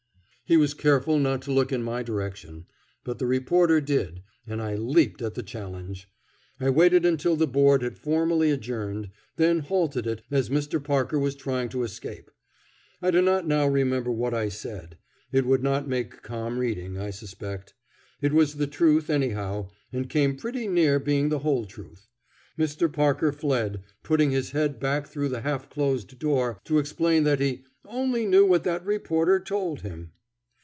He was careful not to look in my direction, but the reporter did, and I leaped at the challenge. I waited until the Board had formally adjourned, then halted it as Mr. Parker was trying to escape. I do not now remember what I said. It would not make calm reading, I suspect. It was the truth, anyhow, and came pretty near being the whole truth. Mr. Parker fled, putting his head back through the half closed door to explain that he "only knew what that reporter told" him.